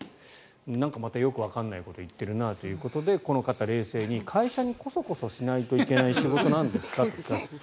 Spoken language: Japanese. なんかまたよくわからないことを言ってるなということでこの方、冷静に会社にこそこそしないといけない仕事なんですかと。